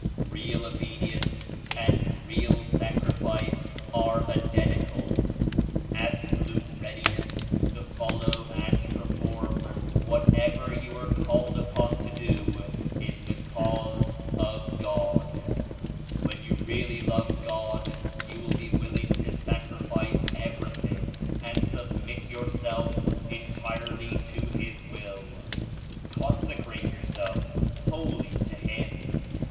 "Real obedience and real sacrifice are identi cal — absolute readiness to follow and perform whatever you are called upon to do in the Cause of God. When you really love God you will be willing to sacrifice everything and submit your self entirely to His Will. Consecrate yourself wholly to Him.